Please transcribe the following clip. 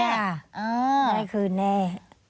จ้ะได้คืนแน่